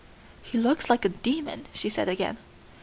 "He looked like a demon," she said again.